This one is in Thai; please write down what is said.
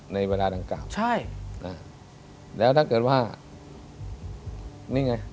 ในเวลาดังกล่าวใช่นะแล้วถ้าเกิดว่านี่ไง